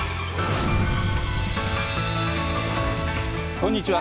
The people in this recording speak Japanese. こんにちは。